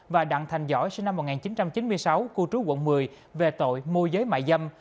và đặng thành giỏi sinh năm một nghìn chín trăm chín mươi sáu cư trú quận một mươi về tội môi giới mại dâm